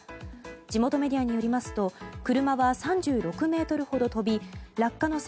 地元メディアによりますと車は３６ｍほど飛び落下の際